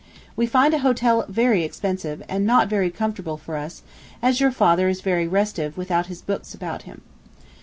We find a hotel very expensive, and not very comfortable for us, as your father is very restive without his books about him.